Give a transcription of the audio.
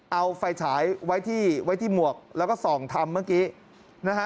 เอาไฟฉายไว้ที่ไว้ที่หมวกแล้วก็ส่องทำเมื่อกี้นะฮะ